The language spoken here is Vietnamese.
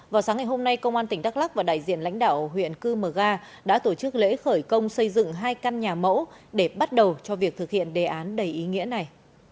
vào sáng ngày hôm nay công an tỉnh đắk lắc và đại diện lãnh đạo huyện cư mờ ga đã tổ chức lễ khởi công xây dựng hai căn nhà mẫu để bắt đầu cho việc thực hiện đề án đầy ý nghĩa này